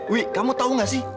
wi kamu tau gak sih